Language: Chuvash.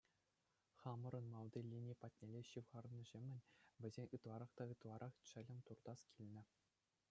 Хамӑрӑн малти лини патнелле ҫывхарнӑҫемӗн вӗсен ытларах та ытларах чӗлӗм туртас килнӗ.